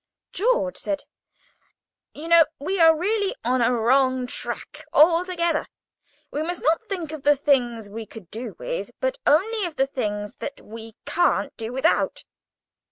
George said: "You know we are on a wrong track altogether. We must not think of the things we could do with, but only of the things that we can't do without."